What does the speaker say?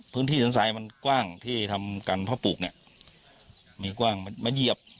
พื้นที่สันทรายมันกว้างที่ทำการพ่อปลูกเนี่ยมีกว้างมาเหยียบ